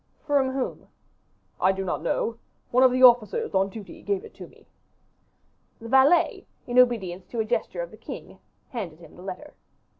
"From whom?" "I do not know. One of the officers on duty gave it to me." The valet, in obedience to a gesture of the king, handed him the letter.